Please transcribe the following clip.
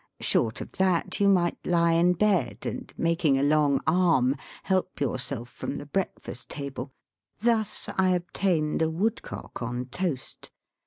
Short of that you might lie in bed, and, making a long arm, help yourself from the breakfast table. Thus I obtained a woodcock on toast.